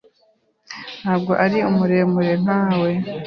Ntabwo ari muremure nka we.